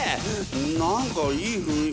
何かいい雰囲気だぞ？